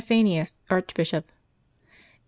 EPIPHANIUS, Archbishop. [t.